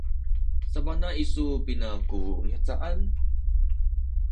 sabana isu pina ku mihcaan?